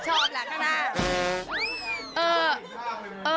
ชอบแล้วข้างหน้า